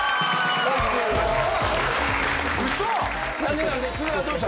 何で何で津田どうした？